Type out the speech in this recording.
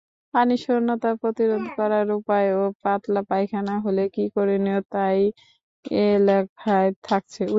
পানিশূন্যতা প্রতিরোধ করার উপায় ও পাতলা পায়খানা হলে কী করণীয় তা এই লেখায় থাকছে।